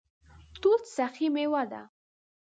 توت سخي میوه ده